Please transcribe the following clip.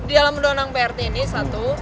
jadi di dalam undang undang prt ini satu